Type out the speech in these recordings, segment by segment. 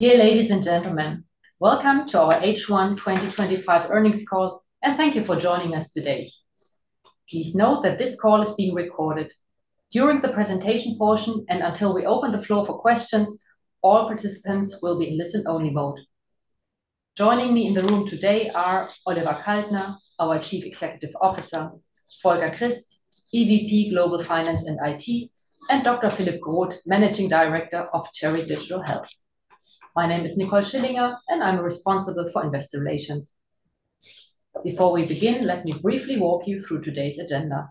Dear ladies and gentlemen, welcome to our H1 2025 Earnings Call, and thank you for joining us today. Please note that this call is being recorded. During the presentation portion and until we open the floor for questions, all participants will be in listen-only mode. Joining me in the room today are Oliver Kaltner, our Chief Executive Officer, Volker Christ, EVP Global Finance and IT, and Dr. Philip Groth, Managing Director of Cherry Digital Health. My name is Nicole Schillinger, and I'm responsible for investor relations. Before we begin, let me briefly walk you through today's agenda.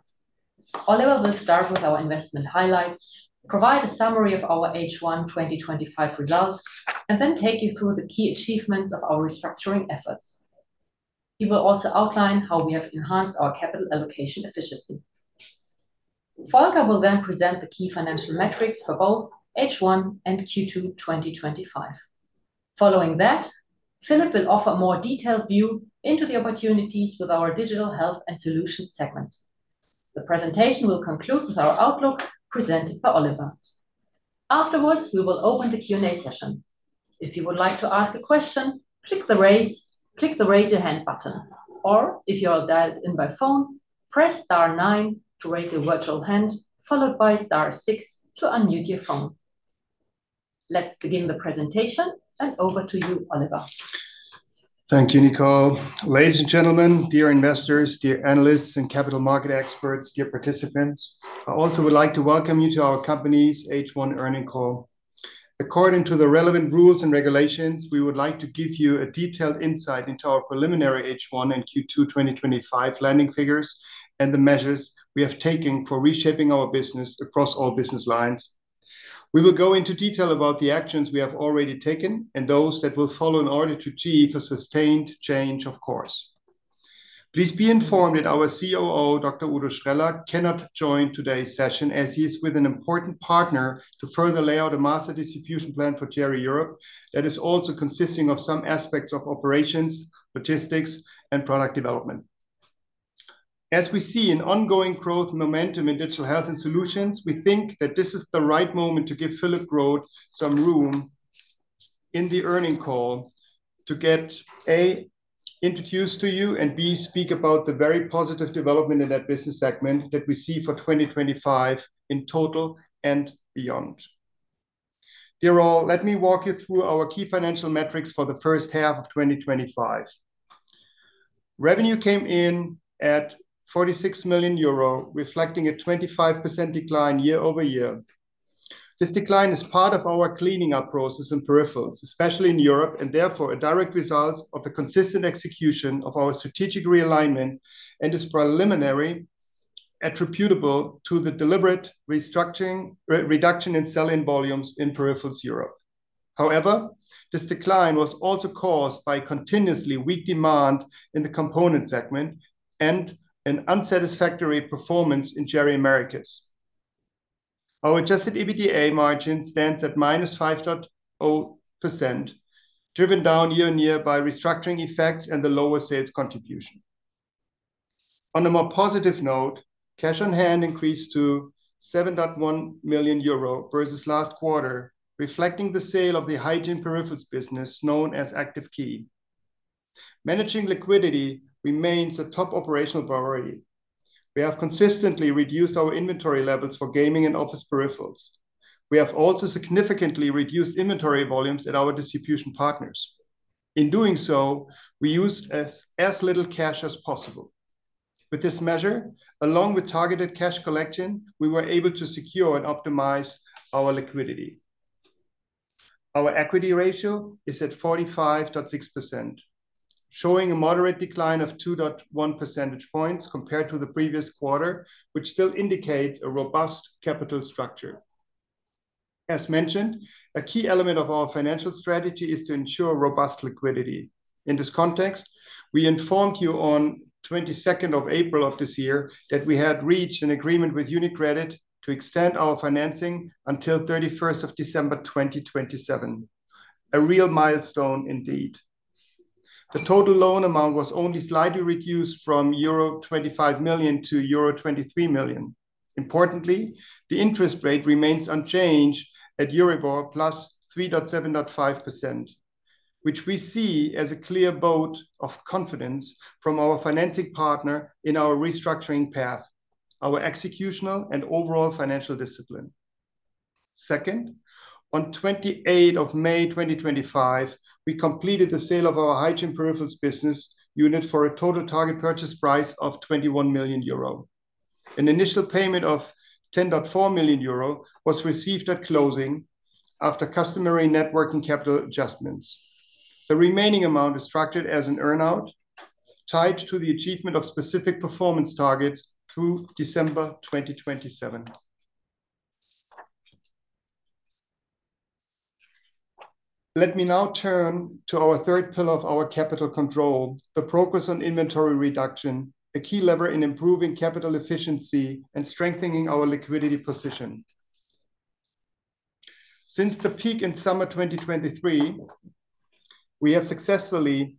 Oliver will start with our investment highlights, provide a summary of our H1 2025 results, and then take you through the key achievements of our restructuring efforts. He will also outline how we have enhanced our capital allocation efficiency. Volker will present the key financial metrics for both H1 and Q2 2025. Following that, Philip will offer more detailed view into the opportunities with our Digital Health and Solutions segment. The presentation will conclude with our outlook presented by Oliver. Afterwards, we will open the Q&A session. If you would like to ask a question, click the raise your hand button, or if you are dialed in by phone, press star nine to raise your virtual hand, followed by star six to unmute your phone. Let's begin the presentation, and over to you, Oliver. Thank you, Nicole. Ladies and gentlemen, dear investors, dear analysts and capital market experts, dear participants, I also would like to welcome you to our company's H1 earning call. According to the relevant rules and regulations, we would like to give you a detailed insight into our preliminary H1 and Q2 2025 landing figures and the measures we have taken for reshaping our business across all business lines. We will go into detail about the actions we have already taken and those that will follow in order to achieve a sustained change of course. Please be informed that our COO, Dr. Udo Streller, cannot join today's session as he is with an important partner to further lay out a master distribution plan for Cherry Europe that is also consisting of some aspects of operations, logistics and product development. As we see an ongoing growth momentum in digital health and solutions, we think that this is the right moment to give Philip Groth some room in the earnings call to get, A, introduced to you, and B, speak about the very positive development in that business segment that we see for 2025 in total and beyond. Dear all, let me walk you through our key financial metrics for the first half of 2025. Revenue came in at 46 million euro, reflecting a 25% decline year-over-year. This decline is part of our cleaning up process in peripherals, especially in Europe, and therefore a direct result of the consistent execution of our strategic realignment and is preliminary attributable to the deliberate restructuring, reduction in sell-in volumes in peripherals Europe. However, this decline was also caused by continuously weak demand in the component segment and an unsatisfactory performance in Cherry Americas. Our adjusted EBITDA margin stands at -5.0%, driven down year-over-year by restructuring effects and the lower sales contribution. On a more positive note, cash on hand increased to 7.1 million euro versus last quarter, reflecting the sale of the hygiene peripherals business known as Active Key. Managing liquidity remains a top operational priority. We have consistently reduced our inventory levels for gaming and office peripherals. We have also significantly reduced inventory volumes at our distribution partners. In doing so, we used as little cash as possible. With this measure, along with targeted cash collection, we were able to secure and optimize our liquidity. Our equity ratio is at 45.6%, showing a moderate decline of 2.1 percentage points compared to the previous quarter, which still indicates a robust capital structure. As mentioned, a key element of our financial strategy is to ensure robust liquidity. In this context, we informed you on April 22nd of this year that we had reached an agreement with UniCredit to extend our financing until December 31, 2027. A real milestone indeed. The total loan amount was only slightly reduced from euro 25 million to euro 23 million. Importantly, the interest rate remains unchanged at Euribor +3.75%, which we see as a clear vote of confidence from our financing partner in our restructuring path, our executional and overall financial discipline. Second, on May 28th, 2025, we completed the sale of our hygiene peripherals business unit for a total target purchase price of 21 million euro. An initial payment of 10.4 million euro was received at closing after customary net working capital adjustments. The remaining amount is structured as an earn-out tied to the achievement of specific performance targets through December 2027. Let me now turn to our third pillar of our capital control, the progress on inventory reduction, a key lever in improving capital efficiency and strengthening our liquidity position. Since the peak in summer 2023, we have successfully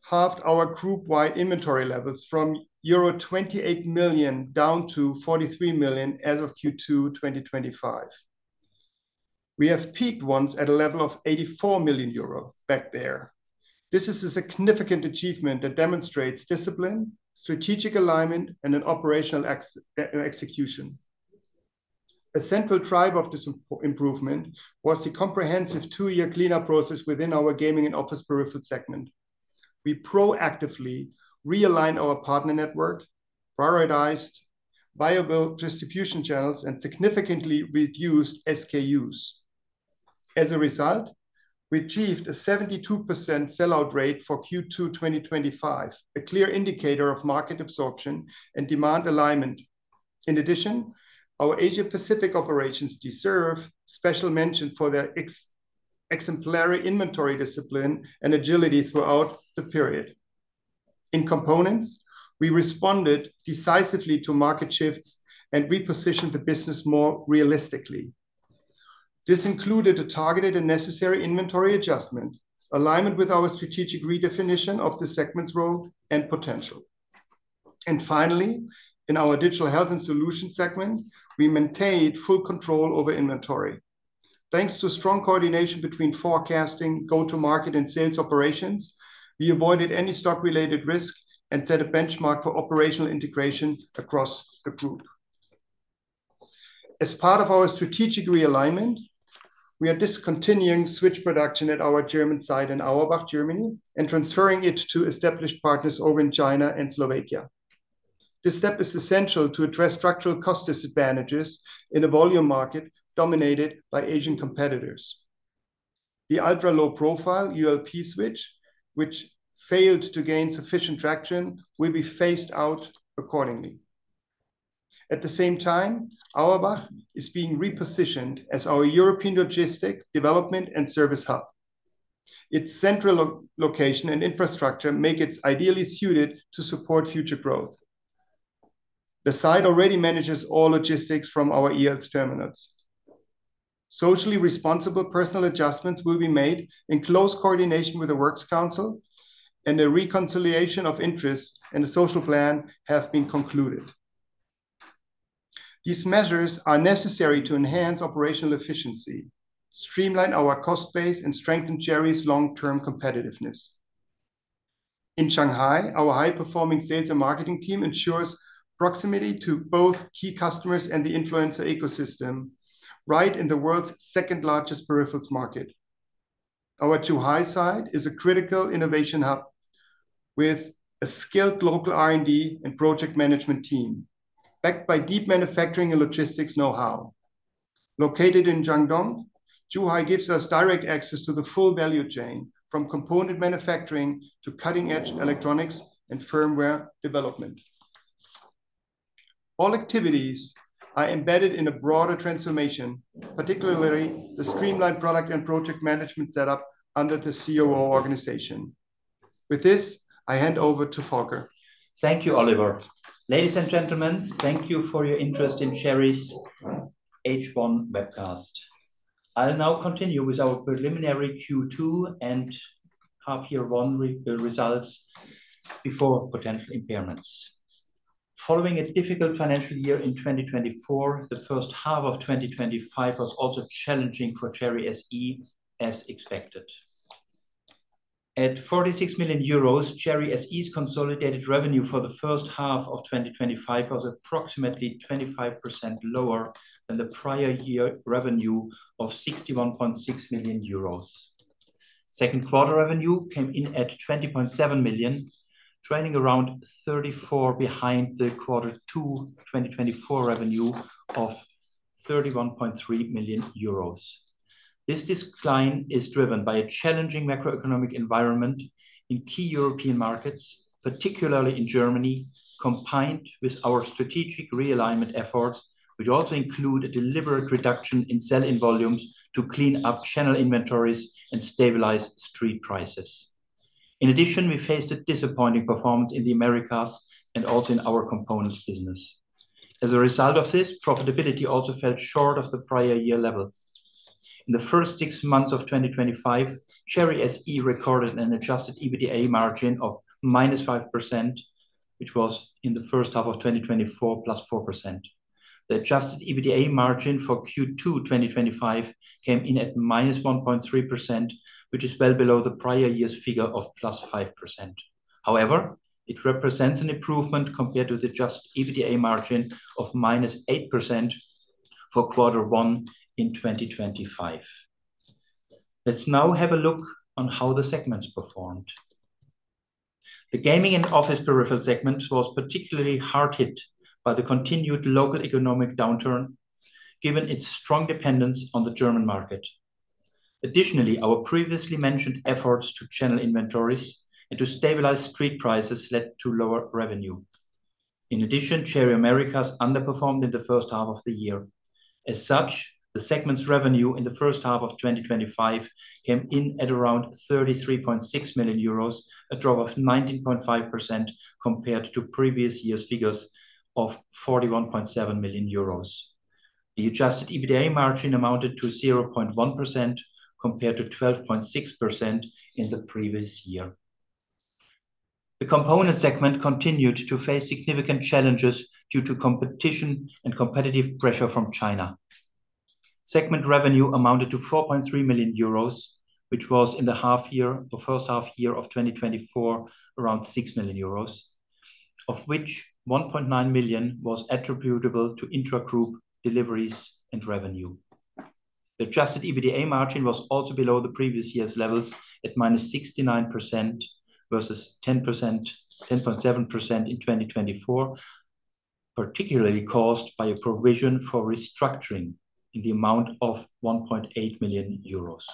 halved our group-wide inventory levels from euro 28 million down to 43 million as of Q2 2025. We have peaked once at a level of 84 million euro back there. This is a significant achievement that demonstrates discipline, strategic alignment, and an operational execution. A central drive of this improvement was the comprehensive two-year cleanup process within our gaming and office peripheral segment. We proactively realigned our partner network, prioritized viable distribution channels, and significantly reduced SKUs. As a result, we achieved a 72% sell-out rate for Q2 2025, a clear indicator of market absorption and demand alignment. In addition, our Asia-Pacific operations deserve special mention for their exemplary inventory discipline and agility throughout the period. In components, we responded decisively to market shifts and repositioned the business more realistically. This included a targeted and necessary inventory adjustment, alignment with our strategic redefinition of the segment's role and potential. Finally, in our digital health and solutions segment, we maintained full control over inventory. Thanks to strong coordination between forecasting, go-to-market, and sales operations, we avoided any stock-related risk and set a benchmark for operational integration across the group. As part of our strategic realignment, we are discontinuing switch production at our German site in Auerbach, Germany, and transferring it to established partners over in China and Slovakia. This step is essential to address structural cost disadvantages in a volume market dominated by Asian competitors. The Ultra Low Profile, ULP, switch, which failed to gain sufficient traction, will be phased out accordingly. At the same time, Auerbach is being repositioned as our European logistic development and service hub. Its central location and infrastructure make it ideally suited to support future growth. The site already manages all logistics from our eHealth terminals. Socially responsible personal adjustments will be made in close coordination with the works council, and a reconciliation of interest and a social plan have been concluded. These measures are necessary to enhance operational efficiency, streamline our cost base, and strengthen Cherry's long-term competitiveness. In Shanghai, our high-performing sales and marketing team ensures proximity to both key customers and the influencer ecosystem, right in the world's second-largest peripherals market. Our Zhuhai site is a critical innovation hub with a skilled local R&D and project management team, backed by deep manufacturing and logistics know-how. Located in Guangdong, Zhuhai gives us direct access to the full value chain, from component manufacturing to cutting-edge electronics and firmware development. All activities are embedded in a broader transformation, particularly the streamlined product and project management set up under the COO organization. With this, I hand over to Volker. Thank you, Oliver. Ladies and gentlemen, thank you for your interest in Cherry's H1 webcast. I'll now continue with our preliminary Q2 and half year one results before potential impairments. Following a difficult financial year in 2024, the first half of 2025 was also challenging for Cherry SE, as expected. At 46 million euros, Cherry SE's consolidated revenue for the first half of 2025 was approximately 25% lower than the prior year revenue of 61.6 million euros. Second quarter revenue came in at 20.7 million, trading around 34% behind the Q2 2024 revenue of 31.3 million euros. This decline is driven by a challenging macroeconomic environment in key European markets, particularly in Germany, combined with our strategic realignment efforts, which also include a deliberate reduction in sell-in volumes to clean up channel inventories and stabilize street prices. In addition, we faced a disappointing performance in the Americas and also in our components business. As a result of this, profitability also fell short of the prior year levels. In the first six months of 2025, Cherry SE recorded an adjusted EBITDA margin of -5%, which was in the first half of 2024, +4%. The adjusted EBITDA margin for Q2 2025 came in at -1.3%, which is well below the prior year's figure of +5%. However, it represents an improvement compared to the adjusted EBITDA margin of -8% for quarter one in 2025. Let's now have a look on how the segments performed. The Gaming and Office Peripherals segment was particularly hard hit by the continued local economic downturn, given its strong dependence on the German market. Additionally, our previously mentioned efforts to channel inventories and to stabilize street prices led to lower revenue. In addition, Cherry Americas underperformed in the first half of the year. As such, the segment's revenue in the first half of 2025 came in at around 33.6 million euros, a drop of 19.5% compared to previous year's figures of 41.7 million euros. The adjusted EBITDA margin amounted to 0.1% compared to 12.6% in the previous year. The component segment continued to face significant challenges due to competition and competitive pressure from China. Segment revenue amounted to 4.3 million euros, which was in the first half year of 2024 around 6 million euros, of which 1.9 million was attributable to intra-group deliveries and revenue. The adjusted EBITDA margin was also below the previous year's levels at -69% versus 10.7% in 2024, particularly caused by a provision for restructuring in the amount of 1.8 million euros.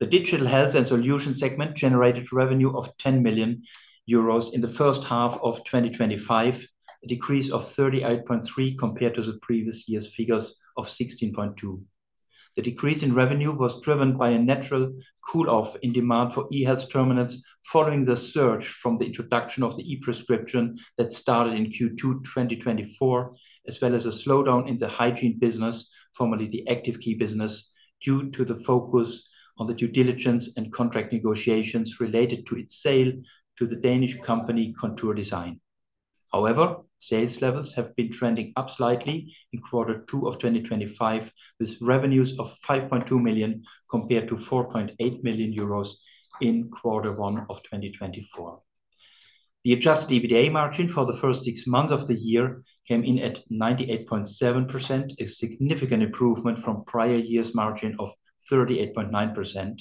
The Digital Health and Solution segment generated revenue of 10 million euros in the first half of 2025, a decrease of 38.3% compared to the previous year's figures of 16.2 million. The decrease in revenue was driven by a natural cool-off in demand for eHealth terminals following the surge from the introduction of the e-prescription that started in Q2 2024, as well as a slowdown in the hygiene business, formerly the Active Key business, due to the focus on the due diligence and contract negotiations related to its sale to the Danish company, Contour Design. However, sales levels have been trending up slightly in quarter two of 2025, with revenues of 5.2 million compared to 4.8 million euros in quarter one of 2024. The adjusted EBITDA margin for the first six months of the year came in at 98.7%, a significant improvement from prior year's margin of 38.9%.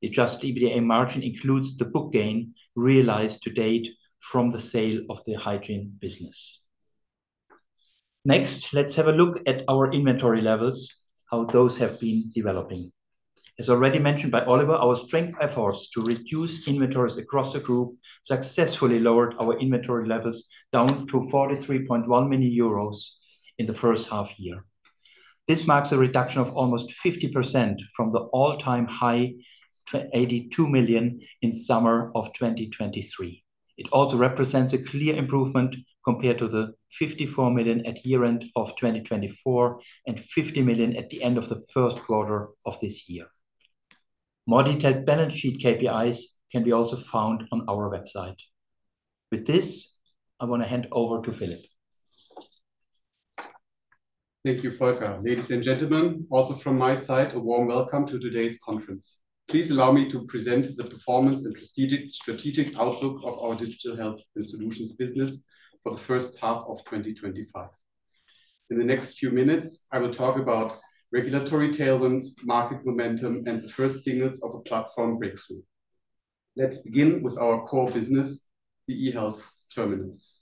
The adjusted EBITDA margin includes the book gain realized to date from the sale of the hygiene business. Next, let's have a look at our inventory levels, how those have been developing. As already mentioned by Oliver, our strength efforts to reduce inventories across the group successfully lowered our inventory levels down to 43.1 million euros in the first half year. This marks a reduction of almost 50% from the all-time high, 82 million in summer of 2023. It also represents a clear improvement compared to 54 million at year-end of 2024 and 50 million at the end of the first quarter of this year. More detailed balance sheet KPIs can be also found on our website. With this, I want to hand over to Philip. Thank you, Volker. Ladies and gentlemen, also from my side, a warm welcome to today's conference. Please allow me to present the performance and strategic outlook of our Digital Health and Solutions business for the first half of 2025. In the next few minutes, I will talk about regulatory tailwinds, market momentum, and the first signals of a platform breakthrough. Let's begin with our core business, the eHealth terminals.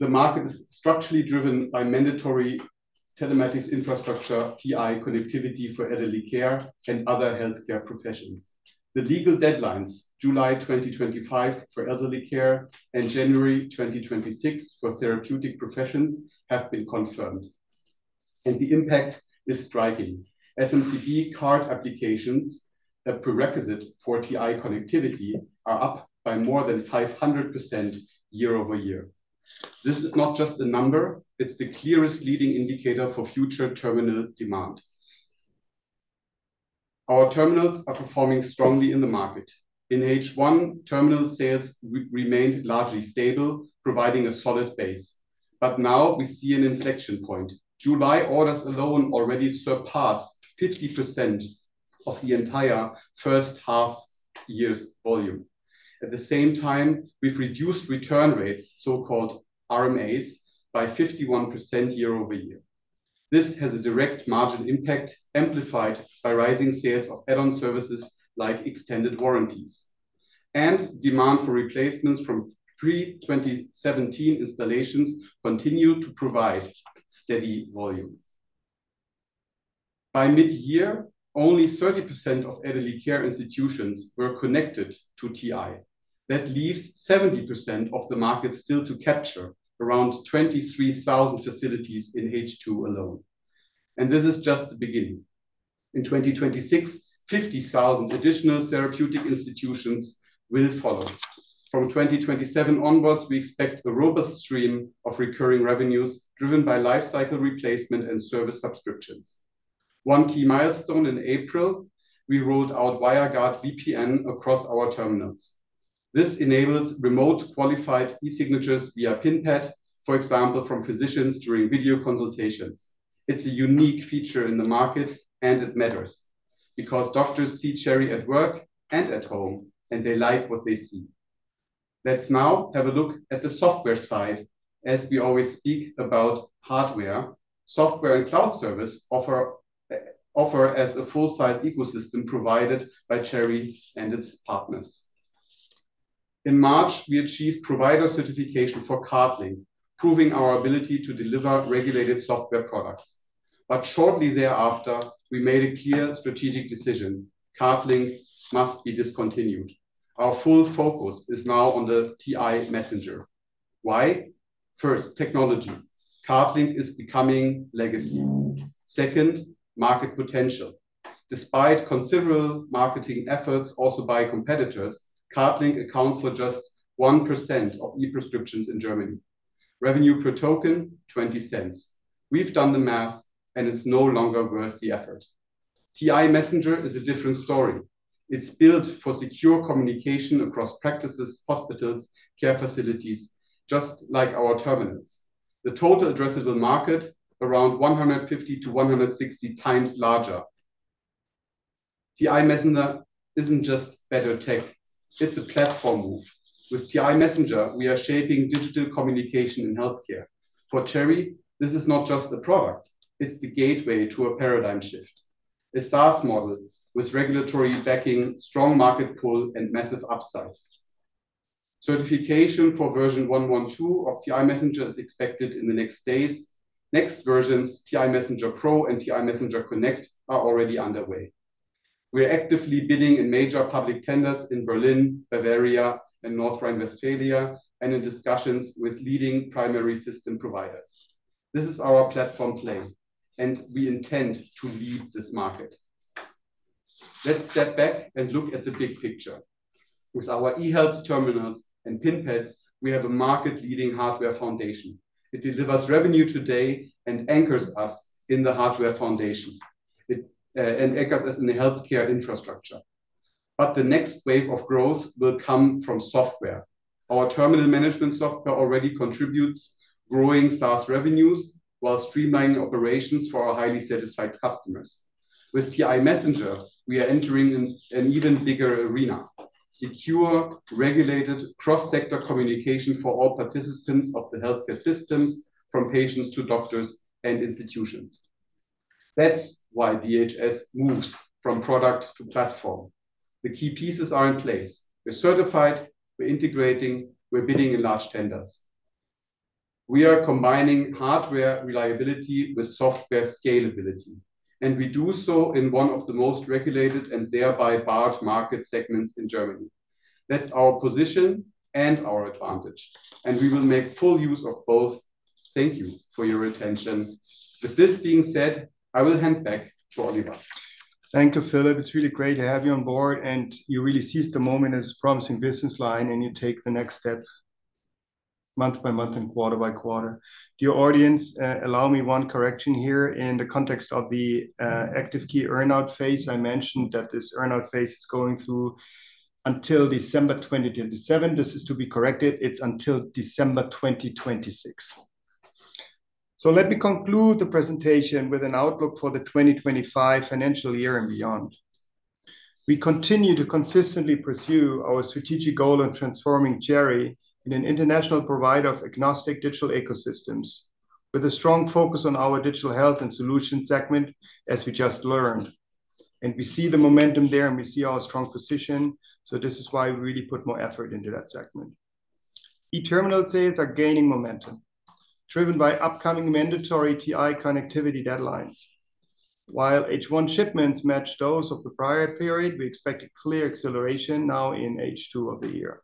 The market is structurally driven by mandatory telematics infrastructure, TI connectivity for elderly care and other healthcare professions. The legal deadlines, July 2025 for elderly care and January 2026 for therapeutic professions, have been confirmed, and the impact is striking. SMC-B card applications, a prerequisite for TI connectivity, are up by more than 500% year-over-year. This is not just a number; it's the clearest leading indicator for future terminal demand. Our terminals are performing strongly in the market. In H1, terminal sales remained largely stable, providing a solid base. Now we see an inflection point. July orders alone already surpass 50% of the entire first half-year's volume. At the same time, we've reduced return rates, so-called RMAs, by 51% year-over-year. This has a direct margin impact, amplified by rising sales of add-on services like extended warranties. Demand for replacements from pre-2017 installations continue to provide steady volume. By mid-year, only 30% of elderly care institutions were connected to TI. That leaves 70% of the market still to capture, around 23,000 facilities in H2 alone. This is just the beginning. In 2026, 50,000 additional therapeutic institutions will follow. From 2027 onwards, we expect a robust stream of recurring revenues driven by lifecycle replacement and service subscriptions. One key milestone in April, we rolled out WireGuard VPN across our terminals. This enables remote qualified e-signatures via PIN pad, for example, from physicians during video consultations. It's a unique feature in the market, and it matters because doctors see Cherry at work and at home, and they like what they see. Let's now have a look at the software side, as we always speak about hardware. Software and cloud service offer as a full-size ecosystem provided by Cherry and its partners. In March, we achieved provider certification for CardLink, proving our ability to deliver regulated software products. Shortly thereafter, we made a clear strategic decision. CardLink must be discontinued. Our full focus is now on the TI Messenger. Why? First, technology. CardLink is becoming legacy. Second, market potential. Despite considerable marketing efforts also by competitors, CardLink accounts for just 1% of e-prescriptions in Germany. Revenue per token, 0.20. We've done the math, it's no longer worth the effort. TI-Messenger is a different story. It's built for secure communication across practices, hospitals, care facilities, just like our terminals. The total addressable market, around 150x-160x larger. TI-Messenger isn't just better tech; it's a platform move. With TI-Messenger, we are shaping digital communication in healthcare. For Cherry, this is not just a product, it's the gateway to a paradigm shift. A SaaS model with regulatory backing, strong market pull, and massive upside. Certification for version 1.12 of TI-Messenger is expected in the next days. Next versions, TI-Messenger Pro and TI-Messenger Connect, are already underway. We're actively bidding in major public tenders in Berlin, Bavaria, and North Rhine-Westphalia, and in discussions with leading primary system providers. This is our platform play. We intend to lead this market. Let's step back and look at the big picture. With our eHealth terminals and PIN pads, we have a market-leading hardware foundation. It delivers revenue today and anchors us in the hardware foundation. It and anchors us in the healthcare infrastructure. The next wave of growth will come from software. Our terminal management software already contributes growing SaaS revenues while streamlining operations for our highly satisfied customers. With TI-Messenger, we are entering an even bigger arena. Secure, regulated, cross-sector communication for all participants of the healthcare system, from patients to doctors and institutions. That's why DHS moves from product to platform. The key pieces are in place. We're certified, we're integrating, we're bidding in large tenders. We are combining hardware reliability with software scalability, and we do so in one of the most regulated and thereby large market segments in Germany. That's our position and our advantage, and we will make full use of both. Thank you for your attention. With this being said, I will hand back to Oliver. Thank you, Philip. It's really great to have you on board, and you really seize the moment as a promising business line, and you take the next step month by month and quarter by quarter. Dear audience, allow me one correction here in the context of the Active Key earn-out phase. I mentioned that this earn-out phase is going through until December 2027. This is to be corrected. It's until December 2026. Let me conclude the presentation with an outlook for the 2025 financial year and beyond. We continue to consistently pursue our strategic goal of transforming Cherry in an international provider of agnostic digital ecosystems, with a strong focus on our Digital Health and solution segment, as we just learned. We see the momentum there, and we see our strong position. This is why we really put more effort into that segment. eHealth terminal sales are gaining momentum, driven by upcoming mandatory TI connectivity deadlines. While H1 shipments match those of the prior period, we expect a clear acceleration now in H2 of the year.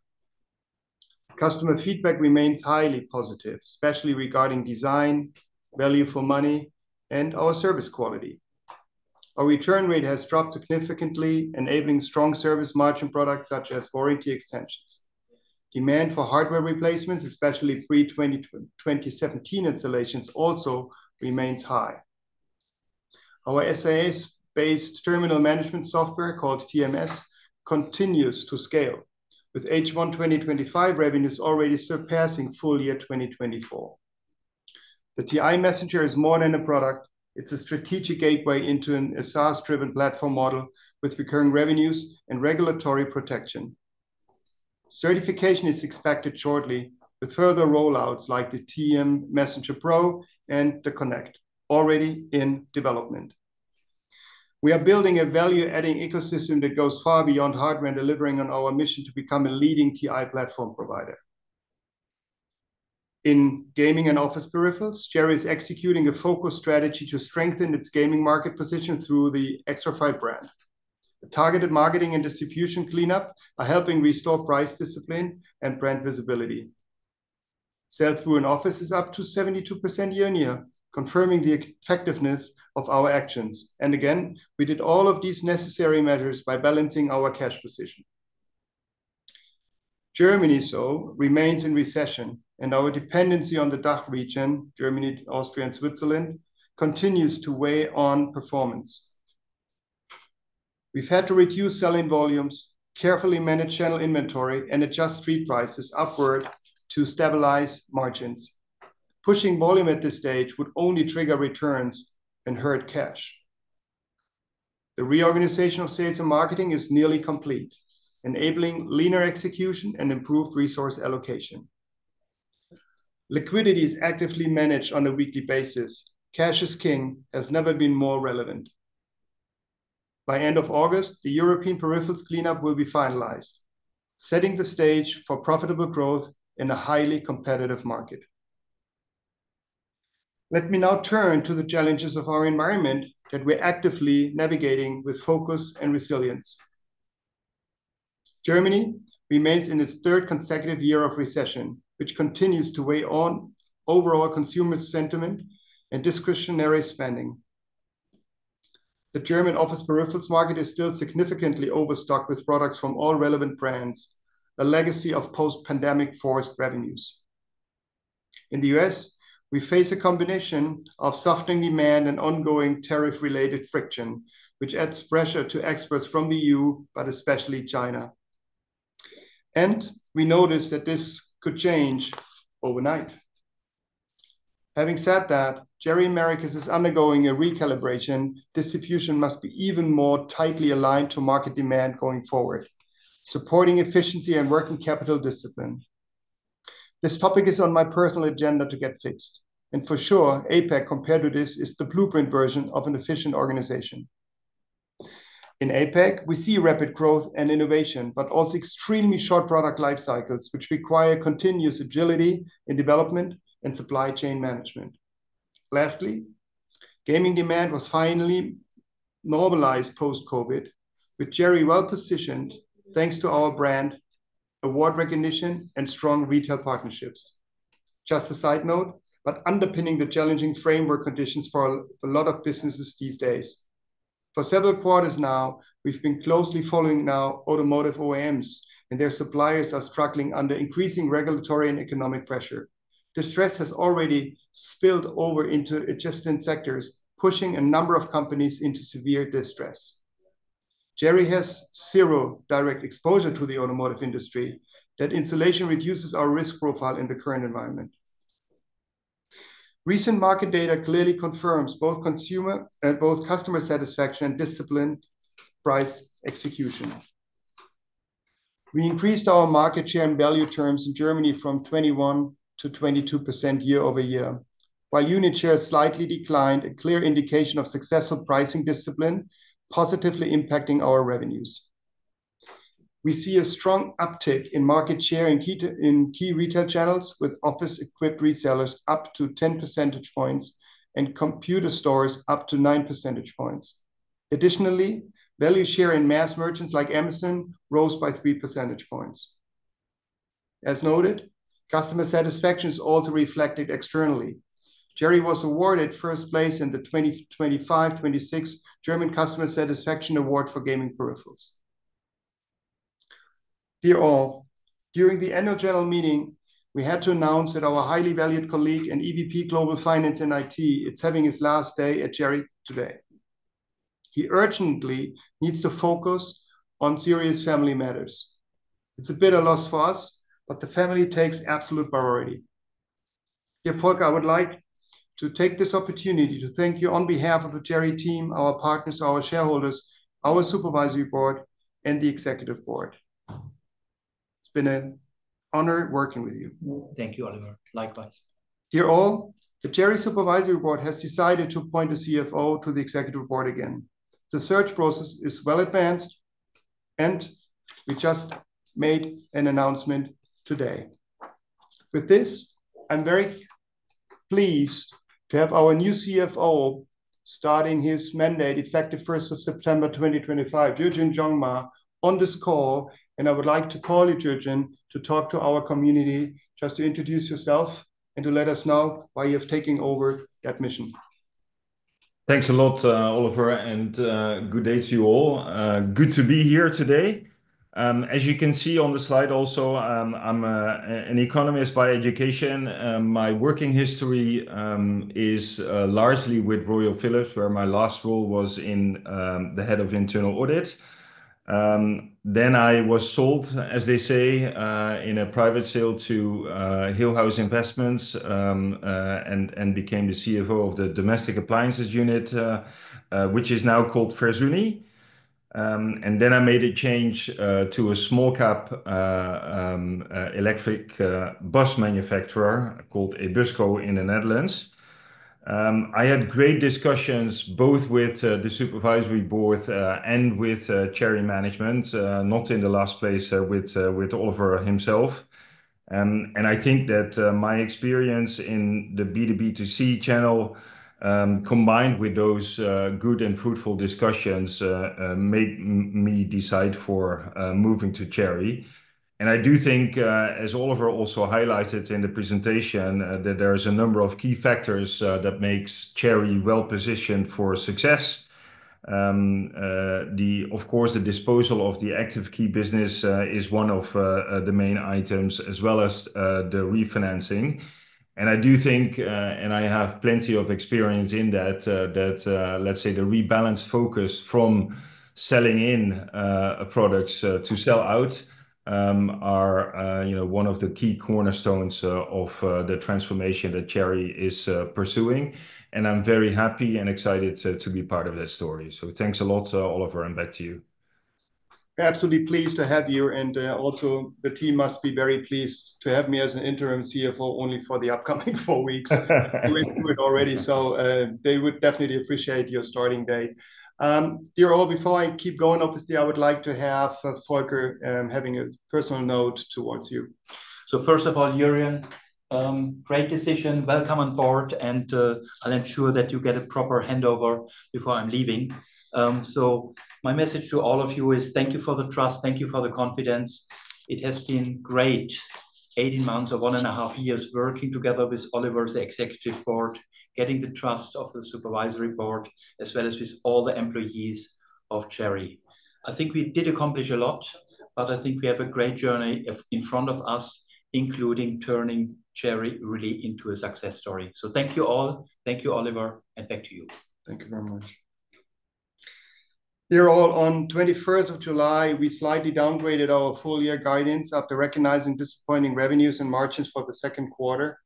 Customer feedback remains highly positive, especially regarding design, value for money, and our service quality. Our return rate has dropped significantly, enabling strong service margin products such as warranty extensions. Demand for hardware replacements, especially pre 2017 installations, also remains high. Our SaaS-based terminal management software, called TMS, continues to scale. With H1 2025 revenues already surpassing full year 2024. The TI-Messenger is more than a product. It's a strategic gateway into a SaaS-driven platform model with recurring revenues and regulatory protection. Certification is expected shortly, with further rollouts like the TI-Messenger Pro and the TI-Messenger Connect already in development. We are building a value-adding ecosystem that goes far beyond hardware and delivering on our mission to become a leading TI platform provider. In gaming and office peripherals, Cherry is executing a focused strategy to strengthen its gaming market position through the Xtrfy brand. A targeted marketing and distribution cleanup are helping restore price discipline and brand visibility. Sell-through in office is up to 72% year-on-year, confirming the effectiveness of our actions. Again, we did all of these necessary measures by balancing our cash position. Germany, so remains in recession, and our dependency on the DACH region, Germany, Austria, and Switzerland, continues to weigh on performance. We've had to reduce selling volumes, carefully manage channel inventory, and adjust street prices upward to stabilize margins. Pushing volume at this stage would only trigger returns and hurt cash. The reorganization of sales and marketing is nearly complete, enabling leaner execution and improved resource allocation. Liquidity is actively managed on a weekly basis. Cash is king has never been more relevant. By end of August, the European peripherals cleanup will be finalized, setting the stage for profitable growth in a highly competitive market. Let me now turn to the challenges of our environment that we're actively navigating with focus and resilience. Germany remains in its third consecutive year of recession, which continues to weigh on overall consumer sentiment and discretionary spending. The German office peripherals market is still significantly overstocked with products from all relevant brands, a legacy of post-pandemic forced revenues. In the U.S., we face a combination of softening demand and ongoing tariff-related friction, which adds pressure to exports from the E.U., but especially China. We noticed that this could change overnight. Having said that, Cherry Americas is undergoing a recalibration. Distribution must be even more tightly aligned to market demand going forward, supporting efficiency and working capital discipline. This topic is on my personal agenda to get fixed, and for sure, APAC compared to this is the blueprint version of an efficient organization. In APAC, we see rapid growth and innovation, but also extremely short product life cycles, which require continuous agility in development and supply chain management. Lastly, gaming demand was finally normalized post-COVID, with Cherry well-positioned thanks to our brand, award recognition, and strong retail partnerships. Just a side note, but underpinning the challenging framework conditions for a lot of businesses these days. For several quarters now, we've been closely following automotive OEMs, and their suppliers are struggling under increasing regulatory and economic pressure. The stress has already spilled over into adjacent sectors, pushing a number of companies into severe distress. Cherry has zero direct exposure to the automotive industry. That insulation reduces our risk profile in the current environment. Recent market data clearly confirms both consumer and customer satisfaction and disciplined price execution. We increased our market share in value terms in Germany from 21%-22% year-over-year, while unit share slightly declined, a clear indication of successful pricing discipline, positively impacting our revenues. We see a strong uptick in market share in key retail channels with office equipment resellers up to 10 percentage points and computer stores up to nine percentage points. Additionally, value share in mass merchants like Amazon rose by three percentage points. As noted, customer satisfaction is also reflected externally. Cherry was awarded first place in the 2025-2026 German Customer Satisfaction Award for gaming peripherals. Dear all, during the annual general meeting, we had to announce that our highly valued colleague and EVP Global Finance and IT is having his last day at Cherry today. He urgently needs to focus on serious family matters. It's a bitter loss for us, but the family takes absolute priority. Dear Volker, I would like to take this opportunity to thank you on behalf of the Cherry team, our partners, our shareholders, our supervisory board, and the executive board. It's been an honor working with you. Thank you, Oliver. Likewise. Dear all, the Cherry Supervisory Board has decided to appoint a CFO to the Executive Board again. The search process is well advanced. We just made an announcement today. With this, I'm very pleased to have our new CFO starting his mandate effective September 1st, 2025, Jurjen Jongma, on this call. I would like to call you, Jurjen, to talk to our community, just to introduce yourself and to let us know why you're taking over that mission. Thanks a lot, Oliver. Good day to you all. Good to be here today. As you can see on the slide also, I'm an economist by education. My working history is largely with Royal Philips, where my last role was in the Head of Internal Audit. Then I was sold, as they say, in a private sale to Hillhouse Investment, became the CFO of the domestic appliances' unit, which is now called Versuni. Then I made a change to a small cap electric bus manufacturer called Ebusco in the Netherlands. I had great discussions both with the supervisory board and with Cherry management, not in the last place with Oliver himself. I think that my experience in the B2B2C channel, combined with those good and fruitful discussions, made me decide for moving to Cherry. I do think, as Oliver also highlighted in the presentation, that there is a number of key factors that makes Cherry well-positioned for success. Of course, the disposal of the Active Key business is one of the main items as well as the refinancing. I do think, and I have plenty of experience in that, let's say, the rebalance focus from selling in products to sell out, are, you know, one of the key cornerstones of the transformation that Cherry is pursuing. I'm very happy and excited to be part of that story. Thanks a lot, Oliver, and back to you. Absolutely pleased to have you. Also the team must be very pleased to have me as an interim CFO only for the upcoming four weeks. We're through it already, they would definitely appreciate your starting date. Dear all, before I keep going, obviously, I would like to have Volker having a personal note towards you. First of all, Jurjen, great decision. Welcome on board. I'll ensure that you get a proper handover before I'm leaving. My message to all of you is thank you for the trust. Thank you for the confidence. It has been great 18 months or one and a half years working together with Oliver Kaltner's Executive Board, getting the trust of the Supervisory Board, as well as with all the employees of Cherry. I think we did accomplish a lot. I think we have a great journey in front of us, including turning Cherry really into a success story. Thank you all. Thank you, Oliver. Back to you. Thank you very much. Dear all, on July 21st, we slightly downgraded our full year guidance after recognizing disappointing revenues and margins for the second quarter.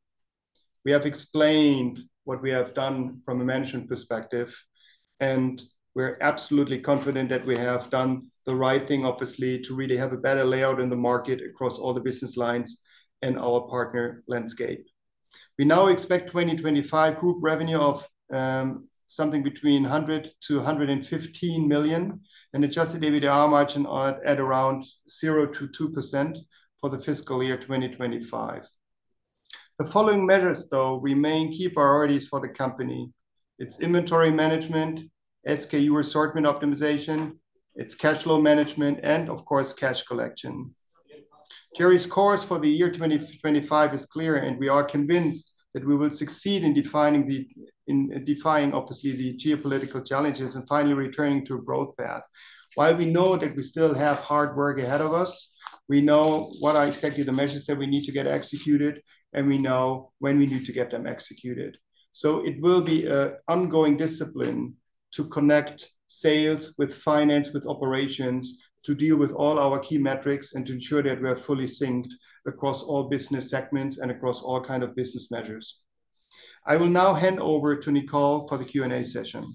We have explained what we have done from a management perspective, and we are absolutely confident that we have done the right thing, obviously, to really have a better layout in the market across all the business lines and our partner landscape. We now expect 2025 group revenue of something between 100 million-115 million, and adjusted EBITDA margin at around 0%-2% for the fiscal year 2025. The following measures, though, remain key priorities for the company. It is inventory management, SKU assortment optimization, it is cash flow management, and of course, cash collection. Cherry's course for the year 2025 is clear, and we are convinced that we will succeed in defining the- In defying, obviously, the geopolitical challenges and finally returning to a growth path. While we know that we still have hard work ahead of us, we know what are exactly the measures that we need to get executed, and we know when we need to get them executed. It will be a ongoing discipline to connect sales with finance, with operations, to deal with all our key metrics, and to ensure that we are fully synced across all business segments and across all kind of business measures. I will now hand over to Nicole for the Q&A session.